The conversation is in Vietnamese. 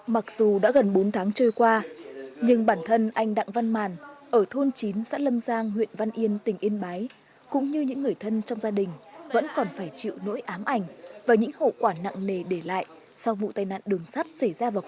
mặc dù đã gần bốn tháng trôi qua nhưng bản thân anh đặng văn màn ở thôn chín xã lâm giang huyện văn yên tỉnh yên bái cũng như những người thân trong gia đình vẫn còn phải chịu nỗi ám ảnh và những hậu quả nặng nề để lại sau vụ tai nạn đường sắt xảy ra vào hôm qua